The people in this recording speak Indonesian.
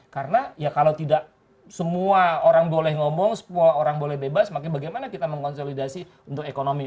karena ya kalau tidak semua orang boleh ngomong semua orang boleh bebas maka bagaimana kita mengkonsolidasi untuk ekonomi